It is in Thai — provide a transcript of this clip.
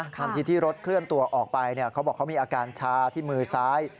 ทันทีที่รถเคลื่อนตัวออกไปเขาบอกเขามีอาการชาที่มือซ้าย